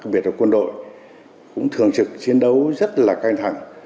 việc là quân đội cũng thường trực chiến đấu rất là canh thẳng